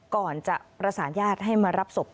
ก่อนจะประสานญาติให้มารับศพ